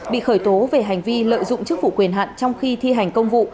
bị khởi tố về hành vi lợi dụng chức vụ quyền hạn trong khi thi hành công vụ